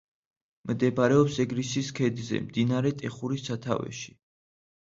მდებარეობს ეგრისის ქედზე, მდინარე ტეხურის სათავეში.